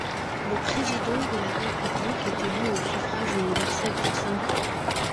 Le président de la République est élu au suffrage universel pour cinq ans.